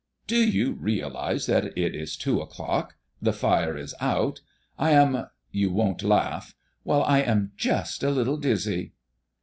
"Do you realize that it is two o'clock. The fire is out. I am you won't laugh? Well, I am just a little dizzy!"